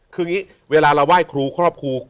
คืออย่างนี้เวลาเราไหว้ครูครอบครู